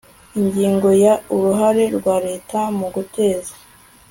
ingingo ya uruhare rwa leta mu guteza